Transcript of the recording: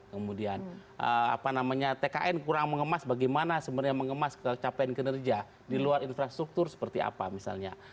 kemudian tkn kurang mengemas bagaimana sebenarnya mengemas capaian kinerja di luar infrastruktur seperti apa misalnya